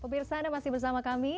pemirsa anda masih bersama kami